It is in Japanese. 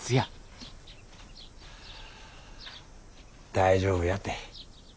大丈夫やて。